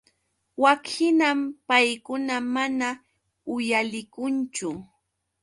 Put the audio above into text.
Wakhinam paykuna mana uyalikunchu.